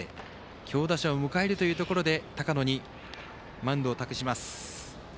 強打者を迎えるというところで高野にマウンドを託します。